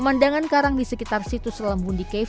juga harian dengan about sebelas bilion rupiah